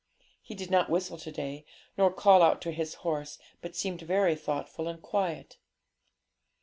He did not whistle to day, nor call out to his horse, but seemed very thoughtful and quiet.